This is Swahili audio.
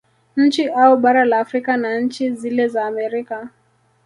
Nchi au bara la Afrika na nchi zile za Amerika